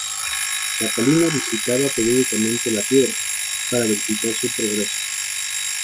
Catalina visitaba periódicamente la piedra, para verificar su progreso.